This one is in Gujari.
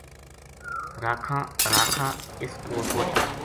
راکھاں اس کول پوہچیا